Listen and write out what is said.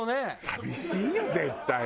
寂しいよ絶対に。